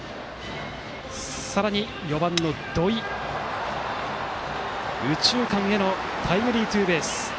さらに４番、土井の右中間へのタイムリーツーベース。